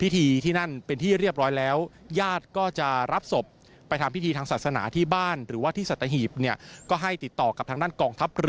ที่วัดสัตว์ตะหีบนะครับ